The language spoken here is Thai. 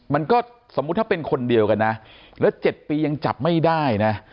มันก็สมมุติถ้าเป็นคนเดียวกันนะแล้ว๗ปียังจับไม่ได้นะ